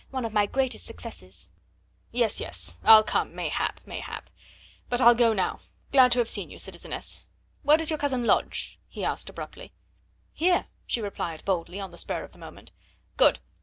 one of my greatest successes." "Yes, yes, I'll come mayhap, mayhap but I'll go now glad to have seen you, citizeness. Where does your cousin lodge?" he asked abruptly. "Here," she replied boldly, on the spur of the moment. "Good.